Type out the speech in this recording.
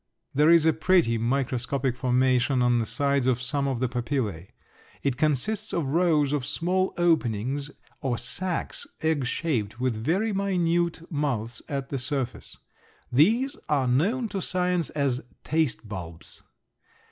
There is a pretty microscopic formation on the sides of some of the papillæ. It consists of rows of small openings or sacs egg shaped with very minute mouths at the surface. These are known to science as taste bulbs.